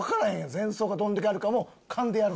前奏がどんだけあるかも勘でやるの？